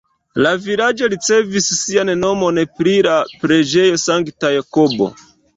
La vilaĝo ricevis sian nomon pri la preĝejo Sankta Jakobo.